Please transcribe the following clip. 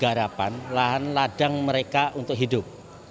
garapan lahan ladang mereka untuk hidup